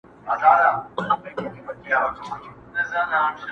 راته وګوره په مینه سر کړه پورته له کتابه؛